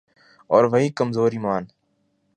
اور وہی کمزور ایمان۔